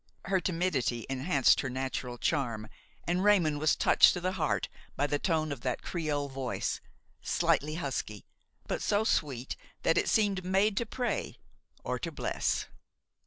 Her timidity enhanced her natural charm, and Raymon was touched to the heart by the tone of that creole voice, slightly husky, but so sweet that it seemed made to pray or to bless.